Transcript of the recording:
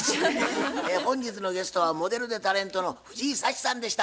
本日のゲストはモデルでタレントの藤井サチさんでした。